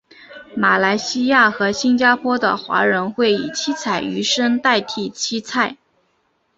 马来西亚和新加坡的华人会以七彩鱼生代替七菜。